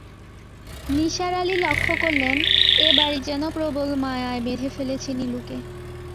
নিসার আলি লক্ষ করলেন, এ-বাড়ি যেন প্রবল মায়ায় বেঁধে ফেলেছে নীলুকে।